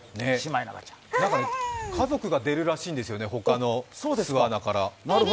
家族が出るらしいんですよね、ほかの扉から。